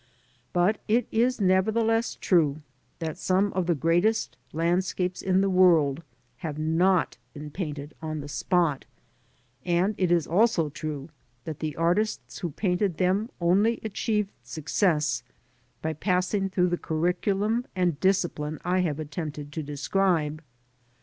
But it is nevertheless true, that some of the greatest landscapes in the world have not been painted^^ori" the "spot ; and it is also true that the artists who painted them only achieved success by passing through the curriculum and discipline I have attempted to describe.